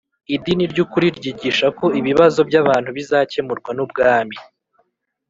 Idini ry ukuri ryigisha ko ibibazo by abantu bizakemurwa n ubwami